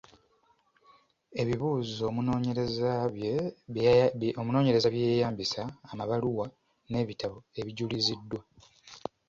Ebibuuzo omunoonyereza bye yeeyambisa, amabaluwa n'ebitabo ebijuliziddwa.